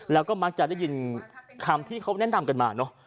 แล้วก็มักจะได้ยินคำที่เขาแนะนำกันมาเนอะ